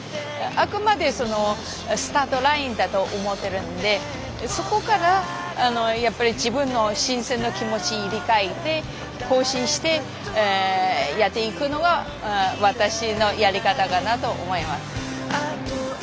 あくまでそのスタートラインだと思ってるんでそこからやっぱり自分の新鮮な気持ち入れ替えて更新してやっていくのが私のやり方かなと思います。